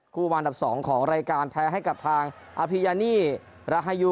วันอันดับ๒ของรายการแพ้ให้กับทางอาพียานี่ราฮายู